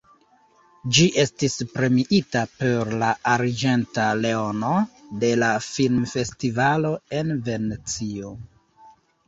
Ĝi estis premiita per la »Arĝenta Leono« de la filmfestivalo en Venecio.